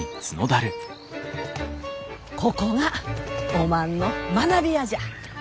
ここがおまんの学びやじゃ。